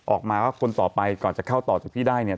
ออกมาว่าคนต่อไปก่อนจะเข้าต่อจากพี่ได้เนี่ย